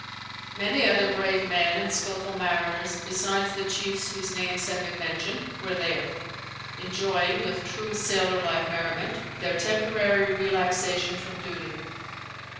Many other brave men and skilful mariners, besides the chiefs whose names have been mentioned, were there, enjoying, with true sailor like merriment, their temporary relaxation from duty.